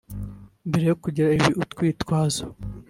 mbere yo kugira ibi urwitwazo